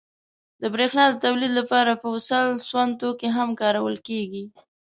• د برېښنا د تولید لپاره فوسیل سون توکي هم کارول کېږي.